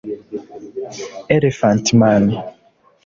Elephant Man